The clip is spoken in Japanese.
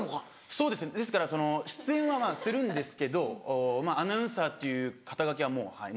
そうですですからその出演はするんですけどアナウンサーっていう肩書はもうはいないです。